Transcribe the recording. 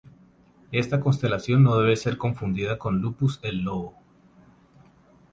Esta constelación no debe ser confundida con Lupus, el lobo.